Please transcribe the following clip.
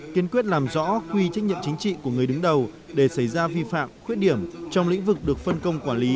kiên quyết làm rõ quy trách nhiệm chính trị của người đứng đầu để xảy ra vi phạm khuyết điểm trong lĩnh vực được phân công quản lý